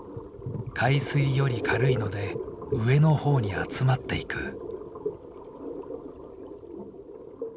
海水より軽いので上の方に集まっていく。